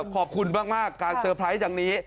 ขอบคุณขอบคุณมากการเซอร์ไพรส์อย่างนี้